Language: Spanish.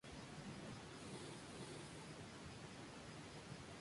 Su cabecera es la población de San Miguel Totolapan.